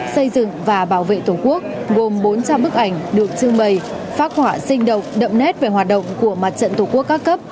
xây dựng và bảo vệ tổ quốc gồm bốn trăm linh bức ảnh được trưng bày phát họa sinh động đậm nét về hoạt động của mặt trận tổ quốc các cấp